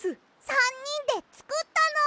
３にんでつくったの！